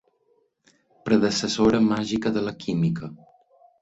Predecessora màgica de la química.